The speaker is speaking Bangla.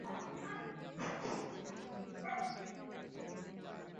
কিন্তু তারা ব্যাপারটি জটিল করাতে তাদের কাছে এটা জটিল আকার ধারণ করেছিল।